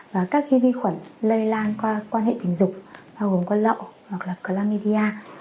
và các ghi vi khuẩn lây lan qua quan hệ tình dục bao gồm có lậu hoặc là chlamydia